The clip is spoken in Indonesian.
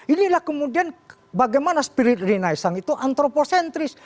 inilah kemudian bagaimana spirit rina isang itu antropocentris